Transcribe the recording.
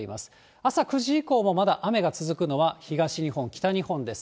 朝９時以降もまだ雨が続くのは、東日本、北日本です。